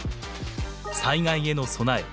災害への備え。